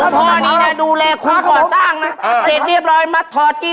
ต้องดูไง